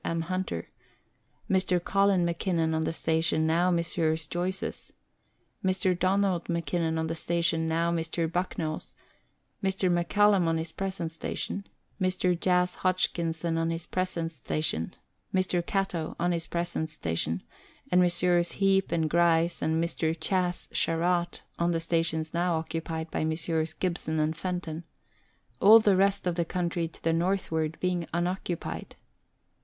M. Hunter; Mr. Colin Mackinnon on the station now Messrs. Joyces'; Mr. Donald Mackinnon on the station now Mr. Bucknall's; Mr. McCallum on his present station ; Mr. Jas. Hodgkinson on his present station; Mr. Catto on his present station; and Messrs. Heape and Grice and Mr. Chas. Sherratt on the stations now occupied by Messrs. Gibson and Fenton all the rest of the country to the northward being unoccupied.